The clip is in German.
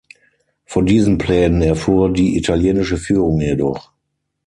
Von diesen Plänen erfuhr die italienische Führung jedoch.